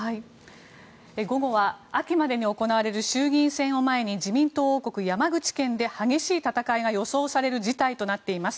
午後は秋までに行われる衆議院選を前に自民党王国・山口県で激しい戦いが予想される事態となっています。